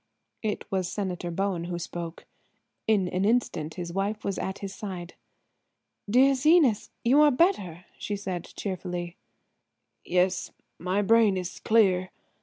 It was Senator Bowen who spoke. In an instant his wife was at his side. "Dear Zenas, you are better?" she said cheerfully. "Yes, my brain is clear.